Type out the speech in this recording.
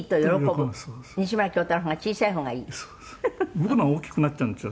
僕の方が大きくなっちゃうんですよ